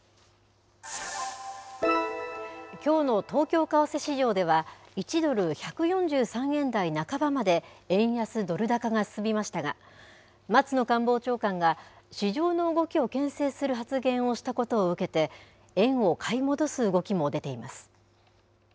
きょうの東京為替市場では、１ドル１４３円台半ばまで円安ドル高が進みましたが、松野官房長官が、市場の動きをけん制する発言をしたことを受けて、円を買い戻す動きも出ています。